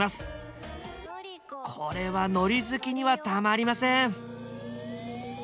これは海苔好きにはたまりません！